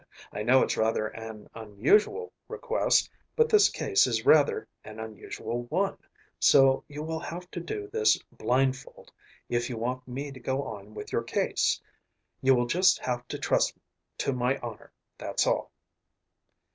"I know it's rather an unusual request, but this case is rather an unusual one, so you will have to do this blindfold if you want me to go on with your case. You will just have to trust to my honor, that's all."